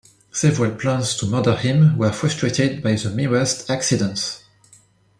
Several plans to murder him were frustrated by the merest accidents.